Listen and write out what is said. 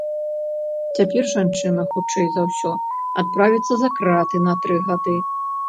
Цяпер жанчына, хутчэй за ўсё, адправіцца за краты на тры гады.